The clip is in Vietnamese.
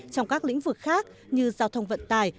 trong các lĩnh vực khác như giao thông vận tài